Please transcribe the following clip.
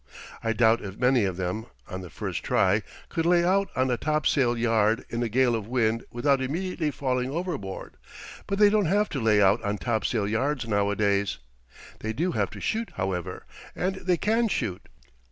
I doubt if many of them, on the first try, could lay out on a topsail yard in a gale of wind without immediately falling overboard; but they don't have to lay out on topsail yards nowadays. They do have to shoot, however; and they can shoot.